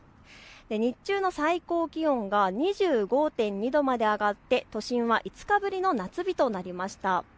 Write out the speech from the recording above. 日中の最高気温が２５．２度まで上がって都心は５日ぶりの夏日となりました。